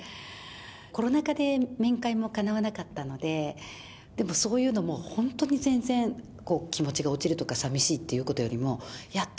コロナ禍で、面会もかなわなかったので、でもそういうのも本当に全然、気持ちが落ちるとか、さみしいっていうことよりも、やった！